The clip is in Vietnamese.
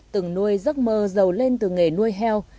từng nuôi giấc mơ giàu lên từ nghề nuôi heo